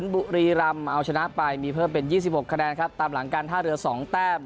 บุรีรำเอาชนะไปมีเพิ่มเป็น๒๖คะแนนครับตามหลังการท่าเรือ๒แต้ม